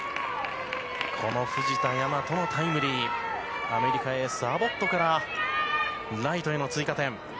藤田倭が、タイムリーアメリカのエース、アボットからライトへの追加点。